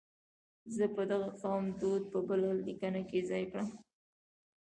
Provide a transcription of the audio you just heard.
زه به د دغه قوم دود په بله لیکنه کې ځای کړم.